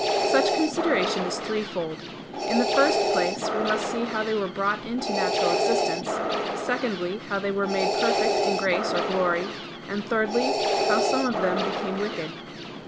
Such consideration is threefold. In the first place we must see how they were brought into natural existence; secondly, how they were made perfect in grace or glory; and thirdly, how some of them became wicked.